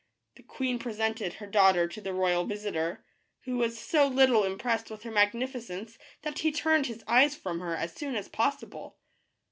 The queen presented her daughter to the royal visitor, who was so little impressed with her magnificence that he turned his eyes from her as soon as possible.